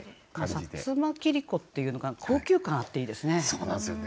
薩摩切子っていうのが高級感あっていいですね。